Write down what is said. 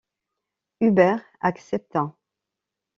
Hubert accepta.